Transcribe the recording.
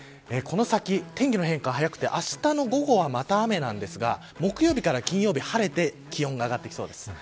この先、天気の変化が早くてあしたの午後はまた雨なんですが木曜日から金曜日晴れて気温が上がってきそうです。